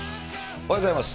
おはようございます。